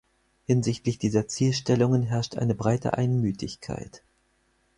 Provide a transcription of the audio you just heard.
Hinsichtlich dieser Zielstellungen herrscht eine breite Einmütigkeit.